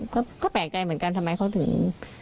ก็แปลกใจเหมือนกันทำไมเขาถึง